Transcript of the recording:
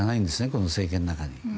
この政権の中に。